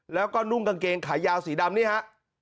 แล้วก็นุ่งกางเกงขายาวสีดำนี่ฮะ